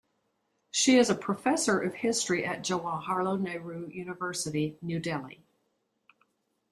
She is a professor of History at the Jawaharlal Nehru University, New Delhi.